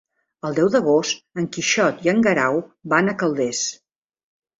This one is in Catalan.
El deu d'agost en Quixot i en Guerau van a Calders.